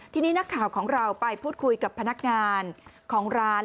ทีนี้นักข่าวของเราไปพูดคุยกับพนักงานของร้าน